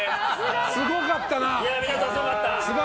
すごかった。